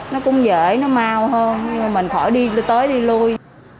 nó cũng dễ nó mang hơn mình khỏi đi tới đi lui